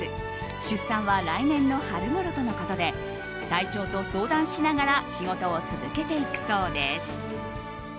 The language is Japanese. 出産は来年の春ごろとのことで体調と相談しながら仕事を続けていくそうです。